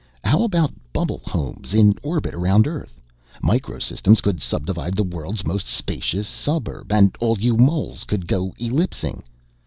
How about bubble homes in orbit around earth?_ Micro Systems could subdivide the world's most spacious suburb and all you moles could go ellipsing.